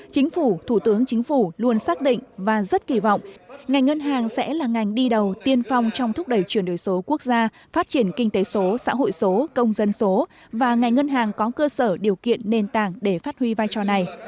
chính phủ thủ tướng chính phủ luôn xác định và rất kỳ vọng ngành ngân hàng sẽ là ngành đi đầu tiên phong trong thúc đẩy chuyển đổi số quốc gia phát triển kinh tế số xã hội số công dân số và ngành ngân hàng có cơ sở điều kiện nền tảng để phát huy vai trò này